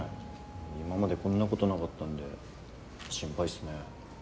今までこんなことなかったんで心配っすね。